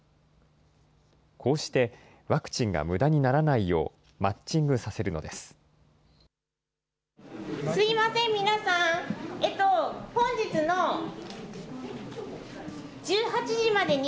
こうして、ワクチンがむだにならないよう、マッチングさせるのです。